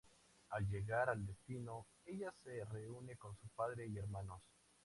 Al llegar al destino, ella se reúne con su padre y hermanos.